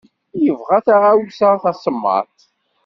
Yebɣa taɣawsa d tasemmaḍt.